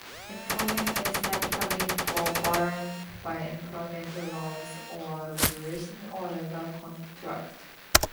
Employment is typically governed by employment laws or regulations or legal contracts.